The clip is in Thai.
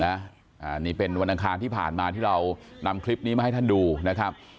อันนี้เป็นวันอังคารที่ผ่านมาที่เรานำคลิปนี้มาให้ท่านดูนะครับ